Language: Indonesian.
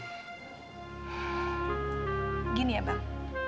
gini ya bang